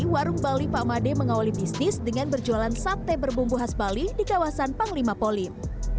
warung bali pak made mengawali bisnis dengan berjualan sate berbumbu khas bali di kawasan panglima polim